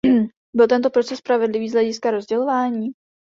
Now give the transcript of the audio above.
Byl tento proces spravedlivý z hlediska rozdělování?